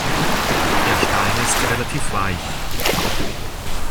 Der Stein ist relativ weich.